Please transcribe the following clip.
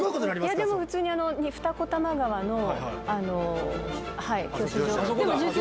でも普通に、二子玉川の教習所。